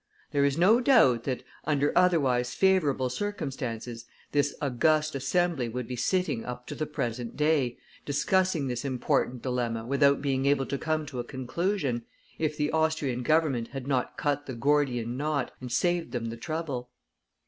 There is no doubt that, under otherwise favorable circumstances, this august Assembly would be sitting up to the present day, discussing this important dilemma without being able to come to a conclusion, if the Austrian Government had not cut the Gordian knot, and saved them the trouble.